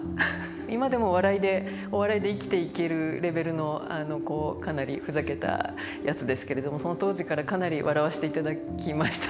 今でも笑いでお笑いで生きていけるレベルのかなりふざけたやつですけれどもその当時からかなり笑わせていただきました。